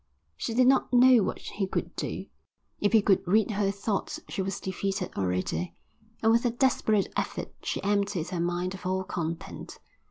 She did not know what he could do; if he could read her thoughts she was defeated already, and with a desperate effort she emptied her mind of all content.